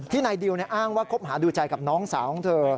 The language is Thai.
นายดิวอ้างว่าคบหาดูใจกับน้องสาวของเธอ